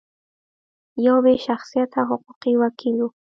یو بې شخصیته حقوقي وکیل و.